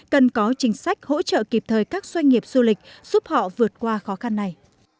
cần có chính sách hỗ trợ kịp thời các doanh nghiệp du lịch giúp họ vượt qua khó khăn này